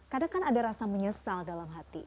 kadang kan ada rasa menyesal dalam hati